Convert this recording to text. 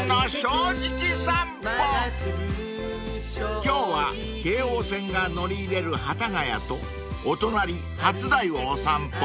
［今日は京王線が乗り入れる幡ヶ谷とお隣初台をお散歩］